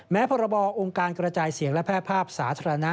พรบองค์การกระจายเสียงและแพร่ภาพสาธารณะ